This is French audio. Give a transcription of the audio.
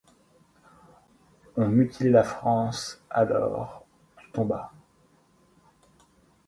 Ont mutilé la France alors que tu tombas ;